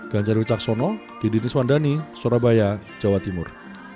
ganjarwicaksono didi niswandani surabaya jawa timur